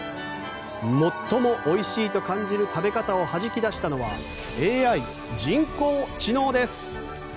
最もおいしいと感じる食べ方をはじき出したのはＡＩ・人工知能です。